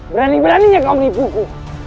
berani beraninya kau menipuku